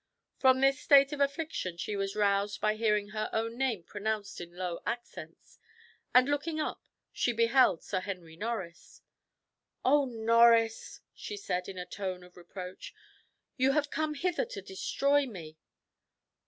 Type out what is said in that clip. From this state of affliction she was roused by hearing her own name pronounced in low accents, and looking up, she beheld Sir Henry Norris. "Oh, Norris!" she said, in a tone of reproach, "you have come hither to destroy me."